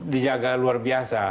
dijaga luar biasa